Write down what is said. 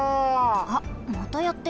あっまたやってる。